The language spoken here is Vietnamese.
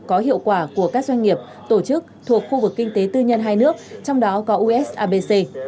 có hiệu quả của các doanh nghiệp tổ chức thuộc khu vực kinh tế tư nhân hai nước trong đó có u s a b c